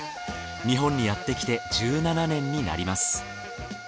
日本にやってきて１７年になります。